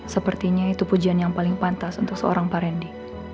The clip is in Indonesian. sepertinya itu pujian yang paling pantas untuk seorang parendy